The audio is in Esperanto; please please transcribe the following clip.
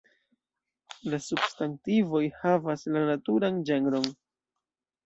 La substantivoj havas la naturan ĝenron.